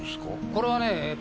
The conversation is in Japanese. これはね